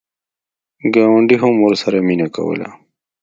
ګاونډي هم ورسره مینه کوله.